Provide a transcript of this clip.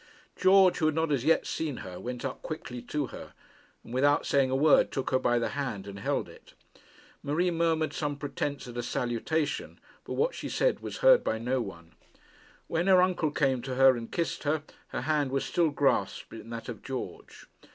George, who had not as yet seen her, went up quickly to her, and, without saying a word, took her by the hand and held it. Marie murmured some pretence at a salutation, but what she said was heard by no one. When her uncle came to her and kissed her, her hand was still grasped in that of George.